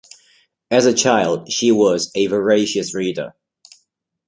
As a child, she was a voracious reader.